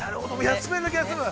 休めるだけ休む。